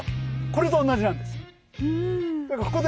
これと同じなんですよ。